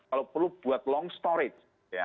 kalau perlu buat long storage